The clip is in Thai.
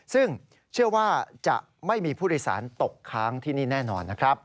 ซึ่งเชื่อว่าจะไม่มีผู้โดยสารตกค้างที่นี่แน่นอนนะครับ